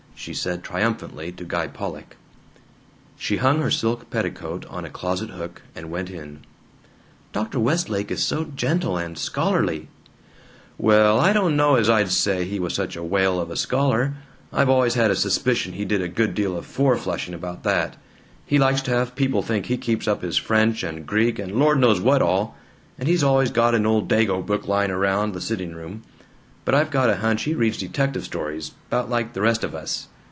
she said triumphantly to Guy Pollock.) She hung her silk petticoat on a closet hook, and went on, "Dr. Westlake is so gentle and scholarly " "Well, I don't know as I'd say he was such a whale of a scholar. I've always had a suspicion he did a good deal of four flushing about that. He likes to have people think he keeps up his French and Greek and Lord knows what all; and he's always got an old Dago book lying around the sitting room, but I've got a hunch he reads detective stories 'bout like the rest of us.